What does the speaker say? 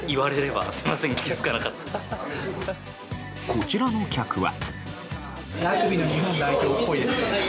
こちらの客は。